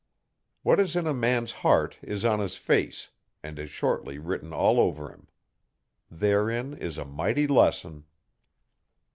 What is in a man's heart is on his face, and is shortly written all over him. Therein is a mighty lesson.